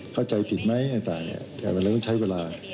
เข้าใจผิดไหมต่างแต่มันเลยต้องใช้เวลา